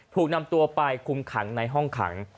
ถูกนำตัวไปคุมขังในห้องขัง